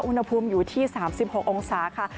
อุณหภูมิอยู่ที่๓๖องศาค่ะ